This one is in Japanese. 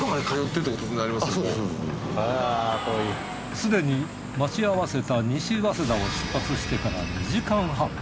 すでに待ち合わせた西早稲田を出発してから２時間半。